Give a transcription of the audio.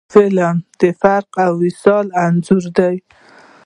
فلم د فراق او وصال انځور دی